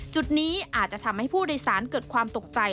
จุดนี้อาจจะทำให้ผู้โดยสารเกิดความตกใจ